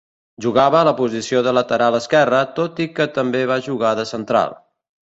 Jugava a la posició de lateral esquerre, tot i que també va jugar de central.